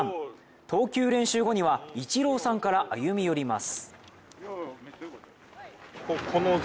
投球練習後にはイチローさんから歩み寄ります。